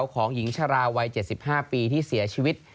ของหญิงชะลาวัย๗๕ปีที่เสียชีวิต